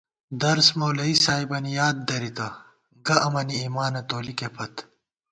درس مولوی صاحِبَنی یاد دَرِتہ، گہ امَنی ایمانہ تولِکے پت